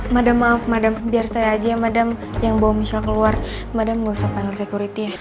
madame maaf madame biar saya aja ya madame yang bawa michelle keluar madame gak usah panggil security ya